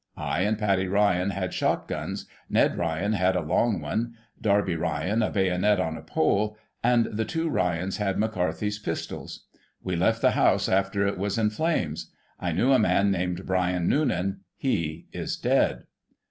I and Paddy Ryan had shot guns, Ned Ryan had a long one. Darby Ryan a bayonet on a pole, and the two Ryans had McCarthy's pistols. We left the house after it was in flames. I knew a man named Bryan Noonan ; he is dead.